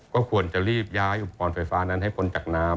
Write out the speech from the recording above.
ก็ควรจะรีบย้ายอุปกรณ์ไฟฟ้านั้นให้พ้นจากน้ำ